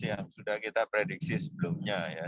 yang sudah kita prediksi sebelumnya ya